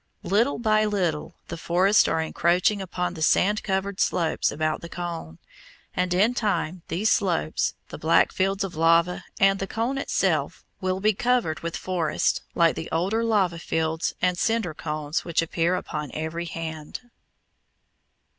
Little by little the forests are encroaching upon the sand covered slopes about the cone, and in time these slopes, the black fields of lava, and the cone itself, will be covered with forests like the older lava fields and cinder cones which appear upon every hand.